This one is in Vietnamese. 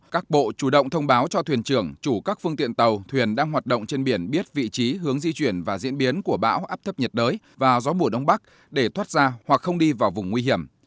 các bộ chủ động thông báo cho thuyền trưởng chủ các phương tiện tàu thuyền đang hoạt động trên biển biết vị trí hướng di chuyển và diễn biến của bão áp thấp nhiệt đới và gió mùa đông bắc để thoát ra hoặc không đi vào vùng nguy hiểm